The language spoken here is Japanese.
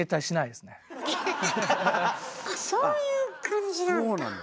あそういう感じなんだ。